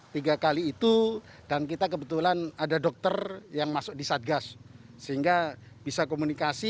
tiga kali itu dan kita kebetulan ada dokter yang masuk di satgas sehingga bisa komunikasi